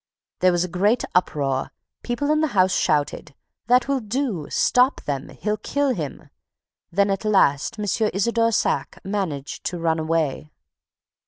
There was a great uproar. People in the house shouted, 'That will do! Stop them! He'll kill him!' Then, at last, M. Isidore Saack managed to run away."